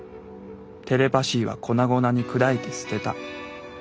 テレパ椎は粉々に砕いて捨てた。